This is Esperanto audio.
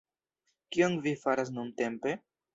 Kion vi faras nuntempe?